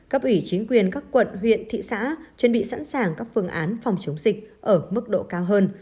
cấp ủy chính quyền các quận huyện thị xã chuẩn bị sẵn sàng các phương án phòng chống dịch ở mức độ cao hơn